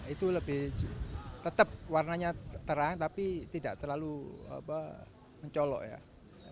itu lebih tetap warnanya terang tapi tidak terlalu mencolok ya